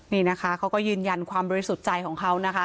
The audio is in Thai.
นี่นะคะเขาก็ยืนยันความบริสุทธิ์ใจของเขานะคะ